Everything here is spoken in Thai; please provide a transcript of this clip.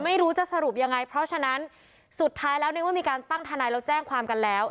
ไม่รู้จะสรุปยังไงเพราะฉะนั้นสุดท้ายแล้วในเมื่อมีการตั้งทนายแล้วแจ้งความกันแล้ว